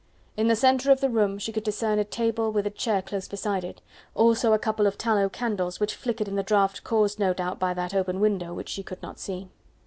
In the centre of the room she could discern a table with a chair close beside it, also a couple of tallow candles, which flickered in the draught caused no doubt by that open window which she could not see.